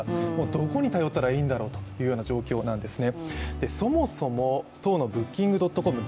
どこに頼ったらいいんだろうという状況なんですね。